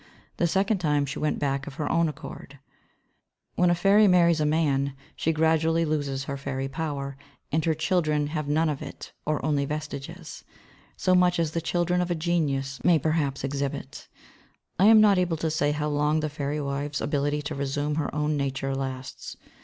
The second time she went back of her own accord. [Footnote 11: When a fairy marries a man she gradually loses her fairy power and her children have none of it or only vestiges so much as the children of a genius may perhaps exhibit. I am not able to say how long the fairy wife's ability to resume her own nature lasts.